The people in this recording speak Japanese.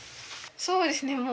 そうですね。